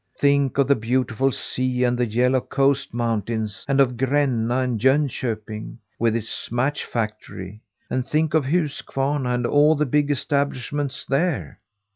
Think of the beautiful sea and the yellow coast mountains, and of Grenna and Jönköping, with its match factory, and think of Huskvarna, and all the big establishments there!"